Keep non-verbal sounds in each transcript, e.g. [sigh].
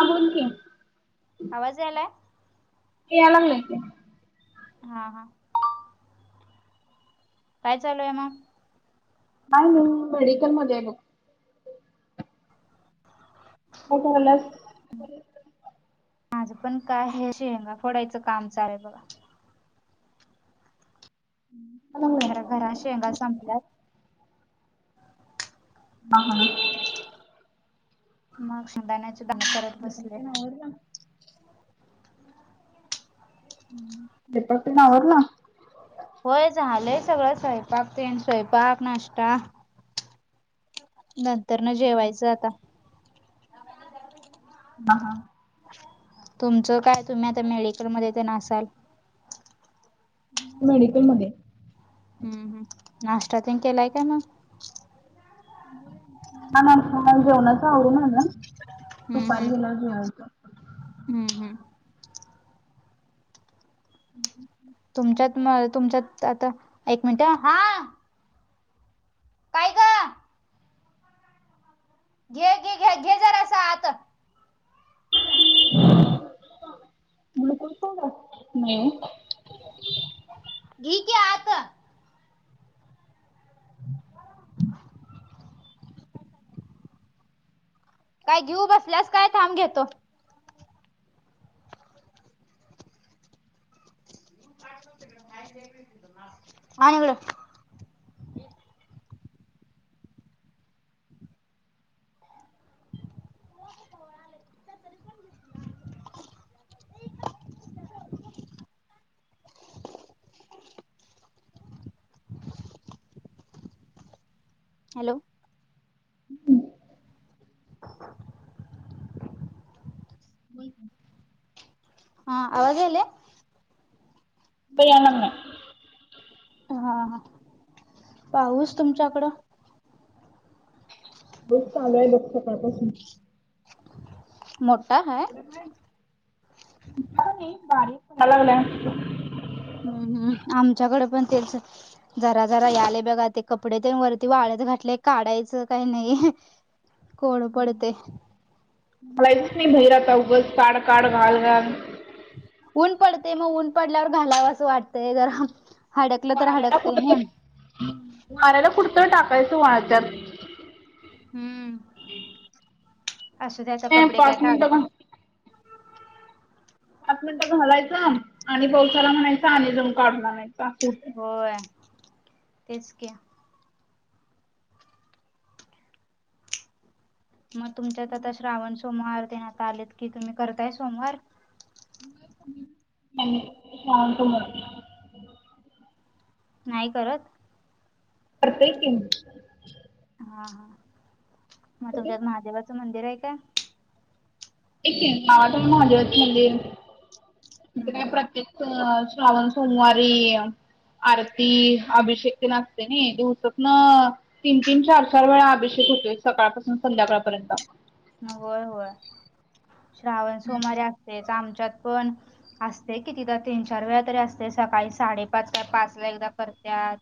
हा बोल की. आवाज आलाय यालाग्लायकी हा हा काय चालूय मग. काय नाही मेडिकलमध्येध्ये आहे बघ. काय करल्यास? माझं पण काय ह शेंगा फोडायचं काम चालेल बघा. [unintelligible] जरा घरा शेंगा संपल्या. [unintelligible] मग शेंगदाण्याचे दान करत स्वयंपाक बसलोय. तेन आवरला स्वयंपाक तेन आवरलं. होय झालंय सगळं स्वयंपाक तेनं स्वयंपाक नाश्ता. नंतर ना जेवायचं आता. ह हा. तुमचं काय तुम्ही आता मेडिकलमध्येध्ये तर नसाल. मेडिकलमध्ये. हम्म हम् नाश्ता तेण केलाय का मग. ह मला जेवणच आवरून झालं ना ना दुपारी गेल्यावर जेवायचं. हम्म हम्म. हं हं हं. तुमच्यात म तुमच्यात आता एक मिनट हा. काय ग घे घे घ्या घे जरा अस आता. मुक पड नाही. घी क्या आता. काय घेऊ बसल्यास काय थांब घेतो. माणीवड. हॅलो. बोलत. हा आगले. उ बयान नाही. हा पाहस तुमच्याकडं. बस चालू आहे बघ सकाळपासून. मोटा है. तिकडं काय मोठा नाही बारीक डला लागल्या. हम्म हम्म आमच्याकडे पण तेच. जरा जरा याले बघा ते कपडे ते वरती वाळत घातले काढायचं काही नाही. कोड पडते. मलाच नाही भैरता उघस काड काढ घाल. ऊन पडतेय मग ऊन पडल्यावर घालावं असं वाटतंय गरम. वाऱ्याला कुडतं वाऱ्याला कुडतं टाकायचं वाच्यात. हम्म असं त्याचा ते कपडे काय पाच टाळत मिनिटं नाही. घा पाच मिनिटं घालायचं आणि पावसाला म्हणायच आणि जऊन काढून आणयचा. होय तेच क. मग तुमच्यात आता श्रावण सोमवार देण्यात आ आलेत की तुम्ही करताय सोमवार. ्य शांतुमार. नाही करत. पडते. हा हा मग तुमच्यात ठीक महादेवाचं मंदिर आहे का. इथे नावाात महादेवच मंदिर इथे हम्म काय हम्म. प्रत्येक. अ श्रावण सोमवारी. आरती अभिषेक ते नाचते ना दिवसात ना. तीन तीन चार चार वेळा अभिषेक होतोय सकाळपासून संध्याकाळपर्यंत. होय होय श्रावण सोमारीे असतेच आमच्यात पण. असते कितीि तर तीन चार वेळा तरी असते सकाळी साडेपाच व पाच ला एकदा करतात.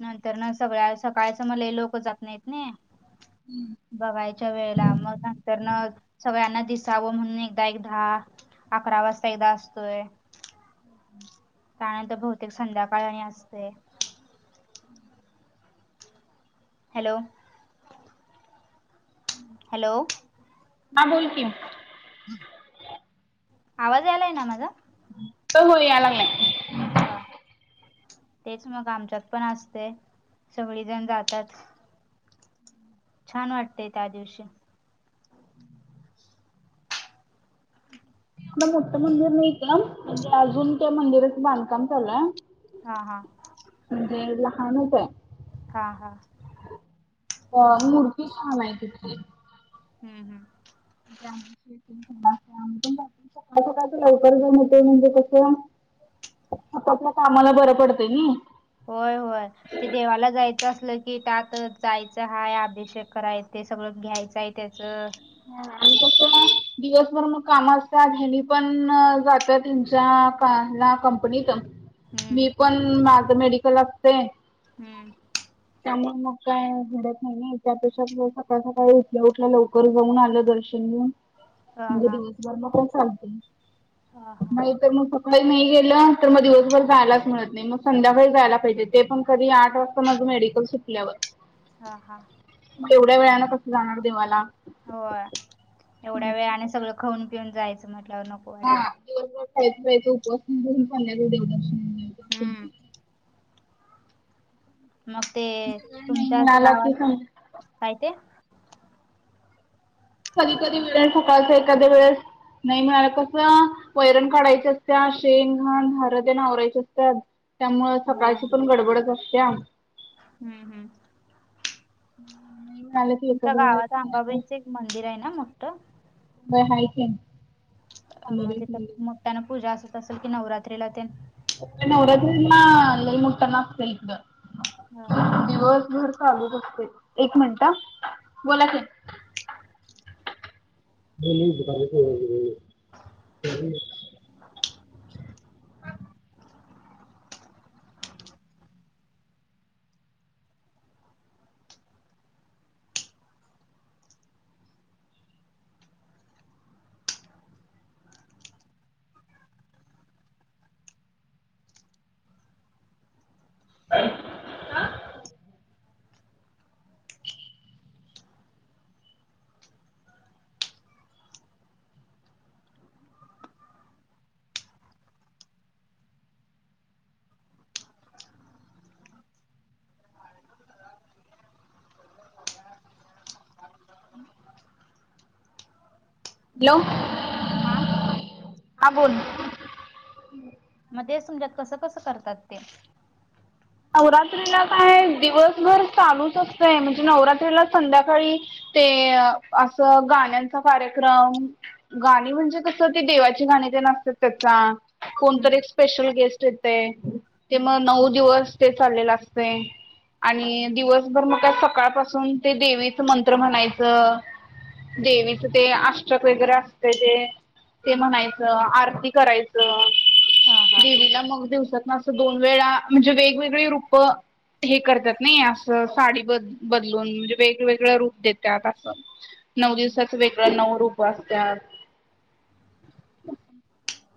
नंतर नाग सगळ्या सकाळच मला लोक जात नाहीत. नाही बघायच्या वेळेला मग नंतर न सगळ्यांना दिस. जावं म्हणून एकदा एक दहा अकरा वाजता एकदा असतोय. त्यानंतर बहुतेक संध्याकाळने असते. हॅलो. हॅलो. म बोल कि. आवाज आलाय ना माझा. तो होय याय लागलाय. हा तेच मग आमच्यात पण असतय, सगळीजण जातात. छान वाटतय त्या दिवशी. एवढ मोठं मंदिर नाहीत एकदम म्हणजे अजून त्या मंदिराचं बांधकाम चालू हाय. हा हा. म्हणजे लहानच हाय. हा हा अ मूर्ती छान हाय तिथली. हू हू. या शी पण सकाळ सकाळच लवकर जउन येतय म्हणजे कसं आपापल्या कामाला बरं पडतंय नई. व्हय व्हय. ते देवाला जायचं असलं की त्यात, जायचं हाय अभिषेक करा ते सगळं घ्यायचंय त्याचं ह आणि कस दिवसभर मग कामं असत्यात, हेणी पण जात्यात हेंच्या का कंप कंपनीत. हम्म मी पण माझं मेडिकल असतय. हम्म. त्यामुळ मग काय घडत नई नई. त्यापेक्षा सकाळ सकाळी उठल्या उठल्या लवकर जाऊन आलं दर्शन [unintelligible] हा म्हणजे हा दिवसभर म काय चालतय. हा हा. तर मग सकाळी नाही गेलं, तर मग दिवसभर जायलाच मिळत नई. मग संध्याकाळी जायला पाहिजे. ते पण कधी, आठ वाजता माझं मेडिकल सुटल्यावर. हा हा. मग एवढ्या वेळानं कसं जाणार देवाला? होय एवढ्या वेळाने सगळं खान पिऊन जायचं म्हटल्यावर नक हा दिवसभर खायचं प्यायच [unintelligible] संध्याकाळी देवदर्शन. घ्यायचं असं हम्म. होतंय. मग ते वेळ नाही तुमच्यां इथ मिळाला की गावात, संध्या- काय ते? कधी कधी वेळेस सकाळच एखाध्या वेळेस नाही मिळालं, कसं वैरण काढायचे असत्या. शेंन, घाण, धार तेन आवरायची असत्यात. त्यामुळ हा सकाळची पण गडबडच असत्या. हम्म हम्म. [inaudible] तुमच्या गावात वेळेस आंबाबाईचं एक मंदिर आहे ना मोठं. होय हाय की. मग अंबाबाई तीथ मंदिर मोठ्यानं पुजा असत असेल की नवरात्रीला तेन नवरात्री ला लई मोठा आसतय इकडं हा हा दिवसभर चालूच असतय एक मिनट हं बोला की [unintelligible] [inaudible] [inaudible] हं हम्. हॅलो हां. हां बोल मग तेच तुमच्यात कसं कसं करतात ते. नवरात्रीला काय दिवसभर चालूच असतय म्हणजे नवरात्रीला संध्याकाळी ते असं गाण्यांचा कार्यक्रम, गाणी म्हणजे कसं ते देवाची गाणी तेन असतात त्याचा हम्म कोणतरी एक स्पेशल गेस्ट येतय, ते हम्म मग हम्म नऊ दिवस ते चाललेलं असतय. आणि दिवसभर मग काय सकाळपासून ते देवीच मंत्र म्हणायचं, देवीच ते आश्रक वगैरे असते ते, ते म्हणायचं आरती करायचं. हा हा देवीला मग दिवसात न असं दोन वेळा म्हणजे वेगवेगळी रूप हे करतात नाही असं साडी ब बदलून म्हणजे वेगवेगळं रूप देतात असं अ नऊ हम्म हम्म दिवसाच वेगळं नऊ रूप असत्यात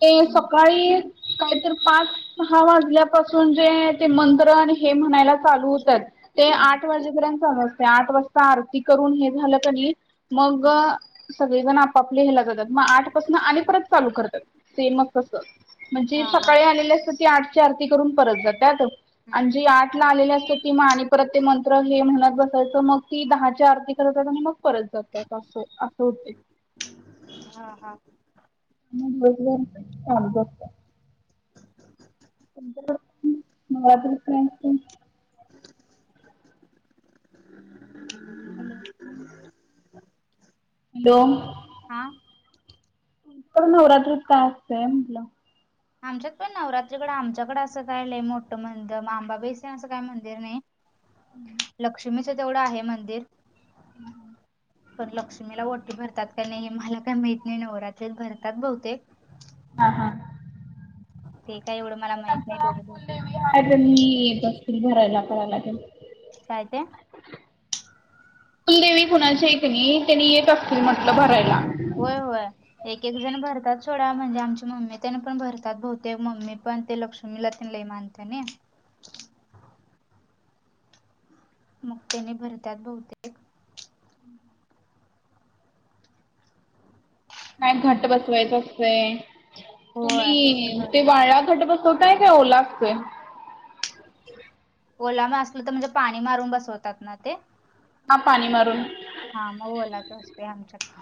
ते हम्म सकाळी काहीतरी पाच सहा वाजल्यापासून जे ते मंत्र आणि हे म्हणायला चालू होतात ते हा आठ वाजे पर्यंत चालू असतं आठ वाजता आरती करून हे झालं कनी मग हा सगळेजण आपापले हेला जातात मग आठपासन आणि परत चालू करतात सेमच तसं म्हणजे हा हा सकाळी आलेल्या सु ते आठची आरती करून परत जातात हम्म आणि हम्म जी आठला आलेली असतात आणि म आणि परत हे म्हणत बसायचं मग ती दहाची आरती करतात आणि मग परत जातात अस असं होते हा हा म दिवसभर चालूच असतं [inaudible] हम् हॅलो हम्म हॅलो हा नवरात्रीत काय असतंय म्हटलं आमच्यात पण नवरात्रीकडे आमच्याकडें असं काय लय मोठं मंदिर अंबाबाई च असं काही मंदिर नाही लक्ष्मीचं तेवढं आहे मंदिर हम पण लक्ष्मीला ओटी भरतात का नाही मला काही माहीत नाही नवरात्री भरतात बहुतेक हा हा ते काय एवढं मला माहित नाही आमच्या त्याच कुलदेवी तर मी येत असतील भरायला करायला ते काय ते कुलदेवी कुणाची हाय की ना त्यांनी येत असतील म्हटलं भरायला. होय होय एक एक जण भरतात सोडा म्हणजे आमची मम्मी तेन पण भरतात बहुतेक मम्मी पण ते लक्ष मिला पण लय मानतेनी मग त्याने भरत्यात बहुतेक काय घट बसवायचं असतय होय तुम्ही होय ते वाळा घट बस. वताय काय ओला असतोय ओला म असल तर म्हणजे पाणी मारून बसवतात ना ते हा पाणी मारून हा मग ओलाच असतोय आमच्याकड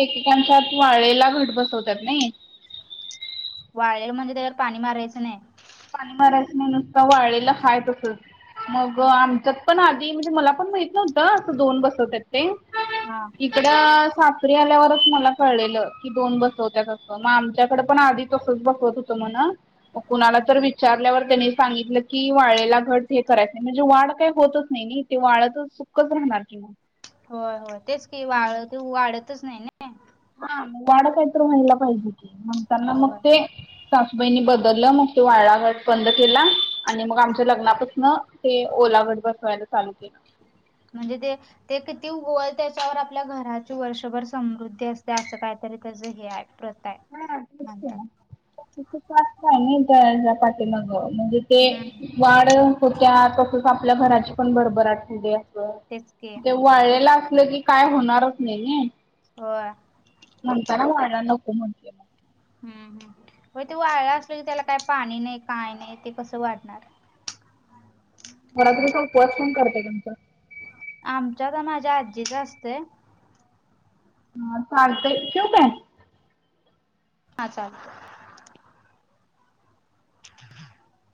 एकेकांच्यात वाळेला घट बसवतात नाही. वाळळेला म्हणजे त्याच्या वर पाणी मारायचं नाही. पाणी मारयचं नाही नुसत वाळळेल हाय तसच मग आमच्यात पण आधी म्हणजे मला पण माहित नव्हतं असं दोन बसवत्यात ते हा इकड सासरी आल्यावरच मला कळलेलं की दोन बसवत्यात अस मग आमच्याकडे पण आधी तसंच बसवत होत म्हण मग हा कुणाला हा तर विचारल्यावर त्यांनी सांगितलं की वाळेला घट हे करायच नाही म्हणजे वाढ काय होतच नाही ते वाळतच कसं होणार की? होय, होय, तेच की मग. वाळल ते वाढतच नाही ना? हा मग वाढत हाय तर महिला पाहिजे की मग त्यांना मग होय ते सासूबाईनी बदल मग तो वाळा घट बंद केला आणि मग आमच्या लग्नापासून ते ओलावर घट बसवायला चालू केला म्हणजे ते ते किती उगवल त्याच्यावर आपल्या घराची वर्षभर समृद्धी असते असं काहीतरी त्याच हे आहे. प्रथा आहे हां तेच की म्हणतात त्या तिथं जास्त आहे ना पाठी माग म्हणजे ते हम्म वाढ होत्या. तसच आपल्या घराची पण भरभराट होत्या. तेच की ते वाळलेल असलं की काय होणारच नाही नाही. होय. म्हणताना वारा नको म्हण हम् हम् होय ते वाळल असल की त्याला काय पाणी नाही काय नाही ते कसं वाढणार. नवरात्रीचा उपवास कोण करतं तुमच्यात? आमच्यात तर माझ्या आजीच असतय. हां चालतय ठेऊ काय? हा चालतंय. [inaudible]